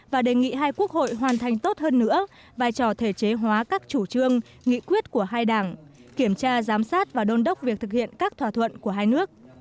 và đề nghị hai quốc hội hoàn thành tốt hơn nữa vai trò thể chế hóa các chủ trương nghị quyết của hai đảng kiểm tra giám sát và đôn đốc việc thực hiện các thỏa thuận của hai nước